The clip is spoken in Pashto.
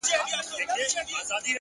هره ورځ د ځان جوړونې فرصت دی.!